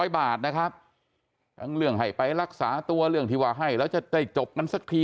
๐บาทนะครับทั้งเรื่องให้ไปรักษาตัวเรื่องที่ว่าให้แล้วจะได้จบกันสักที